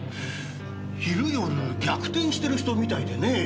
昼夜逆転してる人みたいでね